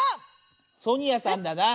ソニアさんだな。